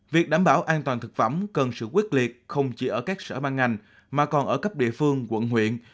việc đảm bảo an toàn thực phẩm cần sự quyết liệt không chỉ ở các sở ban ngành mà còn ở cấp địa phương quận huyện